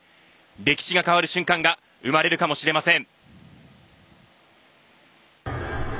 歴史が変わる瞬間が生まれるかもしれません。